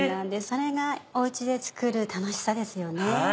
それがお家で作る楽しさですよね。